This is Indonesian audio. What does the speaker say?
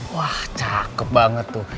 wah cakep banget tuh